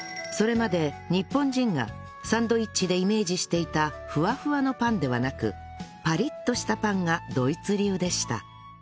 それまで日本人がサンドイッチでイメージしていたふわふわのパンではなくパリッとしたパンがドイツ流でした